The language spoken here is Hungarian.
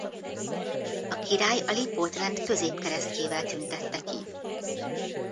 A király a Lipót-rend középkeresztjével tüntette ki.